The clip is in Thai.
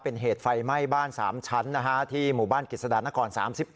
เป็นเหตุไฟไหม้บ้าน๓ชั้นที่หมู่บ้านกฤษฎานคร๓๑